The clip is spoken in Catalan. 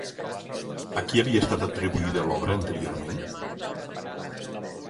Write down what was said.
A qui havia estat atribuïda l'obra anteriorment?